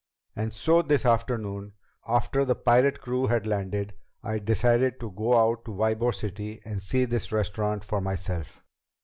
"And so this afternoon, after the pirate crew had landed, I decided to go out to Ybor City and see this restaurant for myself.